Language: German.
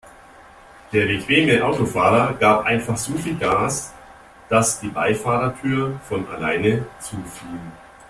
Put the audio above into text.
Der bequeme Autofahrer gab einfach so viel Gas, dass die Beifahrertür von alleine zufiel.